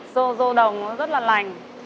rô rô đồng nó rất là lành